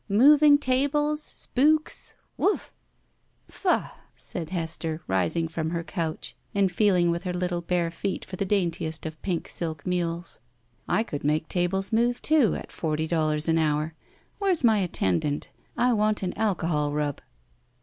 Moving tables — spooks — ^woof!" "Faugh!" said Hester, rising from her oouch and feeling with her little bare feet for the daintiest of pink silk mules. "I could make tables move, too, at forty dollars an hour. Where's my attendant? I want an alcohol rub."